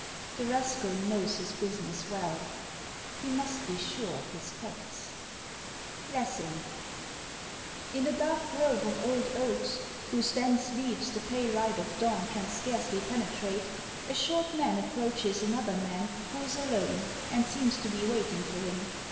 The rascal knows his business well ; he must be sure of his facts. — LESSING. IX a dark grove of old oaks, whose dense leaves the pale light of dawn can scarcely penetrate, a short man approaches another man who is alone, and seems to be waiting for him.